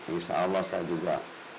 insya allah saya juga